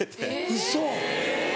ウソ。